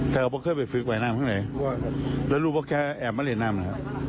เธอเคยไปฟลิกว่ายน้ำทั้งไหนแล้วลูกพ่อแอบมาเล่นน้ำน่ะ